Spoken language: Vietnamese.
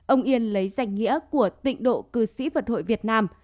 ông yên lấy danh nghĩa của tịnh độ cư sĩ vật hội việt nam